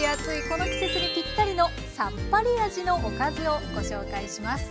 この季節にぴったりのさっぱり味のおかずをご紹介します。